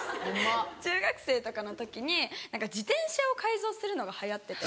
中学生とかの時に何か自転車を改造するのが流行ってて。